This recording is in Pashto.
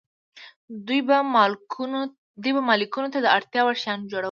دوی به مالکانو ته د اړتیا وړ شیان جوړول.